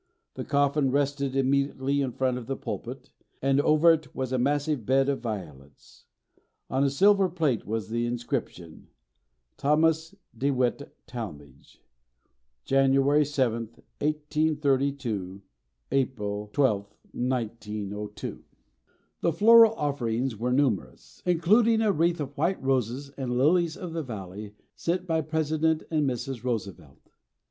The coffin rested immediately in front of the pulpit, and over it was a massive bed of violets. On a silver plate was the inscription: THOMAS DEWITT TALMAGE, JANUARY 7TH, 1832 APRIL 12TH, 1902 The floral offerings were numerous, including a wreath of white roses and lilies of the valley sent by President and Mrs. Roosevelt.